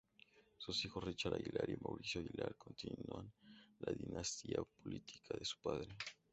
Sus hijos Richard Aguilar y Mauricio Aguilar continúan la dinastía política de su padre.